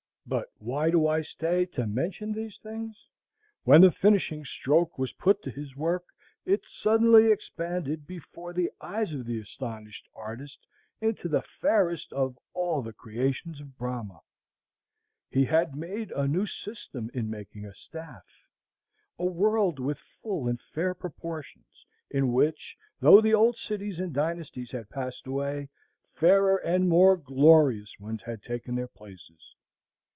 But why do I stay to mention these things? When the finishing stroke was put to his work, it suddenly expanded before the eyes of the astonished artist into the fairest of all the creations of Brahma. He had made a new system in making a staff, a world with full and fair proportions; in which, though the old cities and dynasties had passed away, fairer and more glorious ones had taken their places.